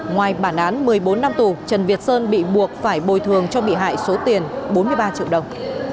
ngoài bản án một mươi bốn năm tù trần việt sơn bị buộc phải bồi thường cho bị hại số tiền bốn mươi ba triệu đồng